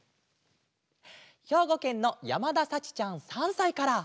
ひょうごけんのやまださちちゃん３さいから。